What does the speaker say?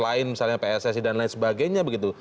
background kasus lain misalnya pssi dan lain sebagainya begitu